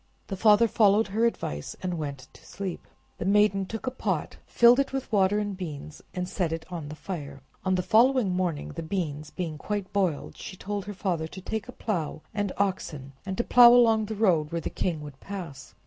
The father followed her advice, and went to sleep; the maiden took a pot, filled it with water and beans, and set it on the fire. On the following morning, the beans being quite boiled, she told her father to take a plow and oxen, and to plow along the road where the king would pass.